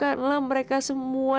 jauhkanlah mereka semua